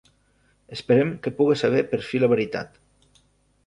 Esperem que puga saber per fi la veritat.